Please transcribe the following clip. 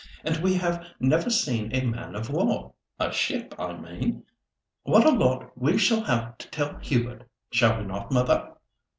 And we have never seen a man of war—a ship I mean. What a lot we shall have to tell Hubert, shall we not, mother?"